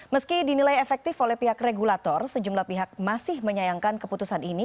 meski dinilai efektif oleh pihak regulator sejumlah pihak masih menyayangkan keputusan ini